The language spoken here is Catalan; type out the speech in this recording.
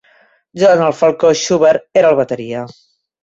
John "el Falcó" Schubert era el bateria.